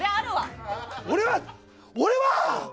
俺は俺は！